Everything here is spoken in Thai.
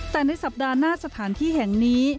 แต่ในสัปดาห์หน้าสถานที่แห่งนี้